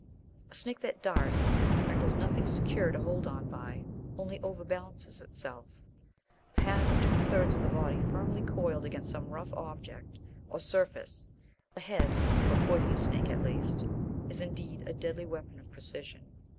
A snake that "darts" when it has nothing secure to hold on by, only overbalances itself. With half or two thirds of the body firmly coiled against some rough object or surface, the head of a poisonous snake at least is indeed a deadly weapon of precision.